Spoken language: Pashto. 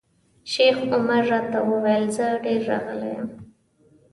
شیخ عمر راته وویل زه ډېر راغلی یم.